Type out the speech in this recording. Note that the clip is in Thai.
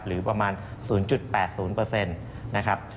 หรือประมาณ๐๘๐นะครับ